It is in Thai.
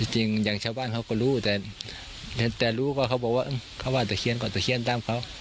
จริงอย่างชาวบ้านก็รู้แต่รู้ก็บอกว่าเทียบเป็นเขา